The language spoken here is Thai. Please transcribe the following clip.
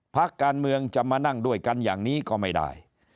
พักการเมืองจะมานั่งด้วยกันอย่างนี้ก็ไม่ได้